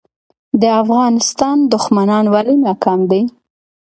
د افغانستان دښمنان ولې ناکام دي؟